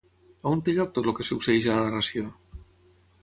On té lloc tot el que succeeix a la narració?